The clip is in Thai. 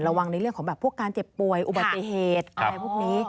ระวังในเรื่องของแบบพวกการเจ็บป่วยอุบัติเหตุอะไรพวกนี้